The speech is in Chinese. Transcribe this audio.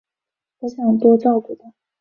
她想多照顾她